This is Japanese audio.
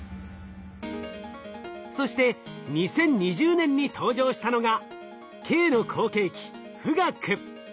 そして２０２０年に登場したのが京の後継機富岳。